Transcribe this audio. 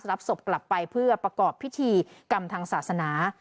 รับศพกลับไปเพื่อประกอบพิธีกรรมทางศาสนา